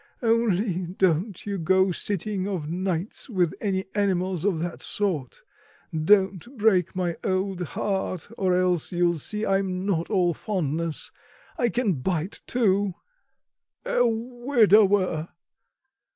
Only don't you go sitting of nights with any animals of that sort; don't break my old heart, or else you'll see I'm not all fondness I can bite too... a widower!"